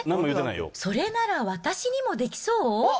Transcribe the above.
それなら私にもできそう？